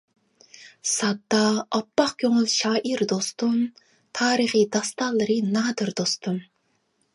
ساددا، ئاپئاق كۆڭۈل شائىر دوستۇم، تارىخى داستانلىرى نادىر دوستۇم.